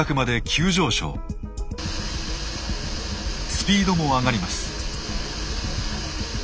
スピードも上がります。